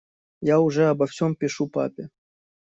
Я уже обо всем пишу папе.